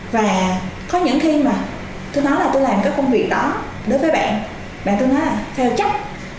và có những khi mà tôi nói là tôi làm cái công việc đó đối với bạn bạn tôi nói là theo chắc